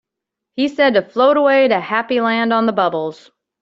He said to float away to Happy Land on the bubbles.